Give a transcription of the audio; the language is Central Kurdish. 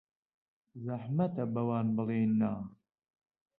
زەحمەتە بەوان بڵێین نا.